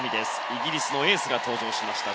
イギリスのエースが登場しました。